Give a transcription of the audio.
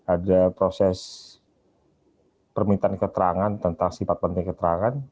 ada proses permintaan keterangan tentang sifat penting keterangan